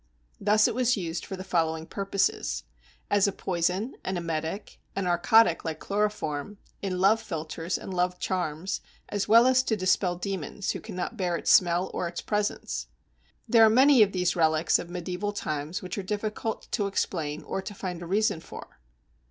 Thus it was used for the following purposes: as a poison, an emetic, a narcotic like chloroform, in love philtres and love charms, as well as to dispel demons, who cannot bear its smell or its presence. There are many of these relics of medieval times which are difficult to explain or to find a reason for.